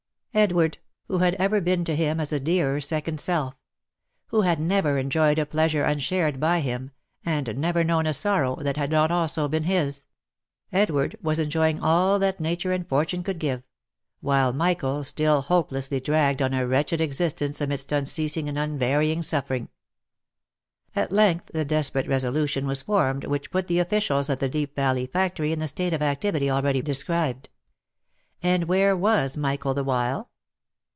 Edward !— who had ever been to him as a dearer second self — who had never enjoyed a pleasure unshared by him, and never known a sorrow that had not also been his — Edward was enjoying all that nature and fortune could give ; while Michael still hopelessly dragged on a wretched existence amidst unceasing and un varying suffering ! At length the desperate resolution was formed which put the officials of the Deep Valley factory in the state of activity already described. And where was Michael the while